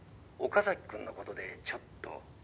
岡崎君の事でちょっと」